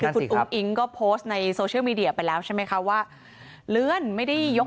อุ้งอิงก็โพสต์ในโซเชียลมีเดียไปแล้วใช่ไหมคะว่า